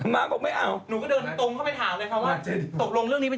ม้าบอกไม่เอาหนูก็เดินตรงเข้าไปถามเลยครับว่า